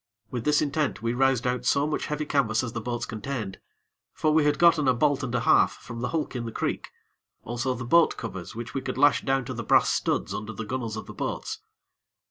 With this intent, we roused out so much heavy canvas as the boats contained, for we had gotten a bolt and a half from the hulk in the creek; also the boat covers which we could lash down to the brass studs under the gunnels of the boats.